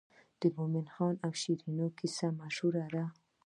د مومن خان او شیرینو کیسه مشهوره ده.